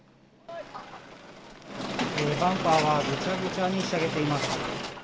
バンパーがぐちゃぐちゃにひしゃげています。